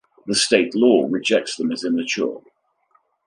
The state law rejects them as immature.